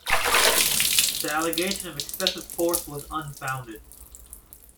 The allegation of excessive force was unfounded.